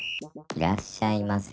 いらっしゃいませ！